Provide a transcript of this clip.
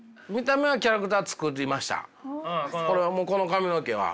この髪の毛は。